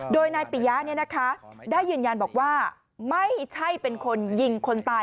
โดยนายปิยะได้ยืนยันบอกว่าไม่ใช่เป็นคนยิงคนตาย